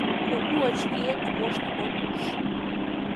Кугу очкиэт вошт от уж.